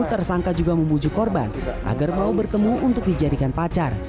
tersangka juga membujuk korban agar mau bertemu untuk dijadikan pacar